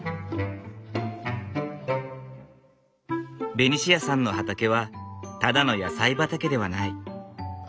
ベニシアさんの畑はただの野菜畑ではない。